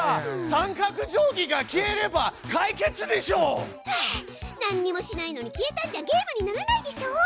三角定規が消えれば解決でしょう！はあなんにもしないのに消えたんじゃゲームにならないでしょう！